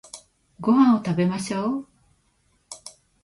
ご飯を食べましょう